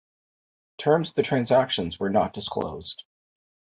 Terms of the transactions were not disclosed.